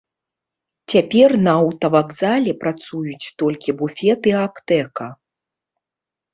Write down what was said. Цяпер на аўтавакзале працуюць толькі буфет і аптэка.